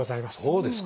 そうですか！